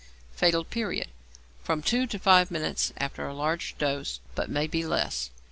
Fatal Period. From two to five minutes after a large dose, but may be less.